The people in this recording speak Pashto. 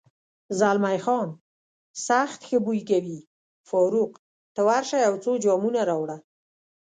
زلمی خان: سخت ښه بوی کوي، فاروق، ته ورشه یو څو جامونه راوړه.